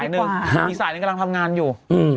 อีกฝ่ายหนึ่งกำลังทำงานอยู่